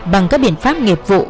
bằng các biện pháp nghiệp vụ